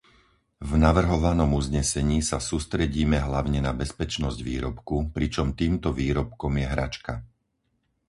V navrhovanom uznesení sa sústredíme hlavne na bezpečnosť výrobku, pričom týmto výrobkom je hračka.